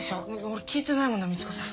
俺聞いてないものみち子さん。